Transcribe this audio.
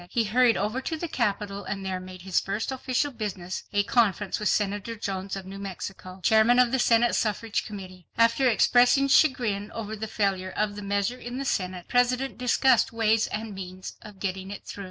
He hurried over to the Capitol, and there made his first official business a conference with Senator Jones of New Mexico, Chairman of the Senate Suffrage Committee. After expressing chagrin over the failure of the measure in the Senate, the President discussed ways and means of getting it through.